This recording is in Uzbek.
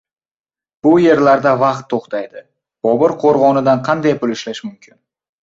Bu yerlarda vaqt to‘xtaydi — Bobur qo‘rg‘onidan qanday pul ishlash mumkin?